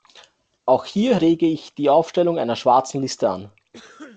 Auch hier rege ich die Aufstellung einer schwarzen Liste an.